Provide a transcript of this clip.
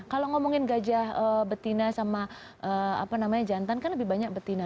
kalau ngomongin gajah betina sama jantan kan lebih banyak betina